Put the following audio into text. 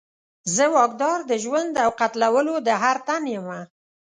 زه واکدار د ژوند او قتلولو د هر تن یمه